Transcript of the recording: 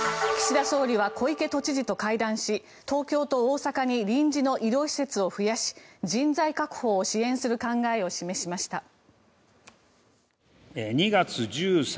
岸田総理は小池都知事と会談し東京と大阪に臨時の医療施設を増やし人材確保を支援する考えを示しました。